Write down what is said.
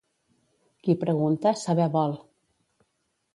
Qui pregunta, saber vol.